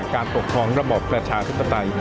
การปกครองระบอบประชาธิปไตย